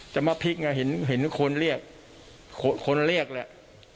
จะมาพลิกไงเห็นคนเรียกคนเรียกแหละ